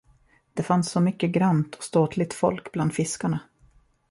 Det fanns så mycket grant och ståtligt folk bland fiskarna.